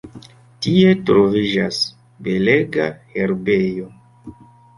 Tie troviĝas belega herbejo.